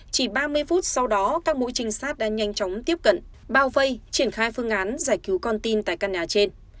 chỉ ba mươi phút sau đó các mũi trinh sát đã nhanh chóng tiếp cận bao vây triển khai phương án giải cứu con tin tại căn nhà trên